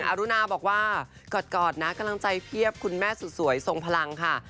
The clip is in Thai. รุนาบอกว่ากอดนะกำลังใจเพียบคุณแม่สุดสวยทรงพลังค่ะ